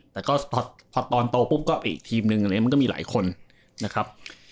แต่ก็พอตอนโตปุ๊บก็อีกทีมนึงมันก็มีหลายคนนะครับ